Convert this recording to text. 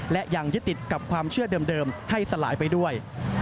และยังยึดติดกับความเชื่อเดิมให้สลายไปด้วย